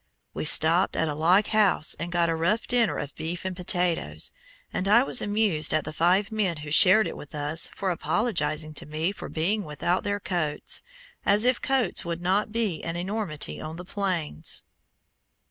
We stopped at a log house and got a rough dinner of beef and potatoes, and I was amused at the five men who shared it with us for apologizing to me for being without their coats, as if coats would not be an enormity on the Plains.